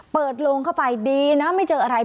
โลงเข้าไปดีนะไม่เจออะไร